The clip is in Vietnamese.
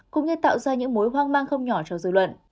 cũng như tạo ra những mối hoang mang không nhỏ cho dư luận